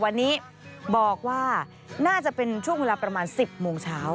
วันนี้บอกว่าน่าจะเป็นช่วงเวลาประมาณ๑๐โมงเช้า